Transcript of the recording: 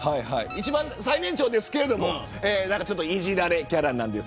最年長なんですけどいじられキャラなんです。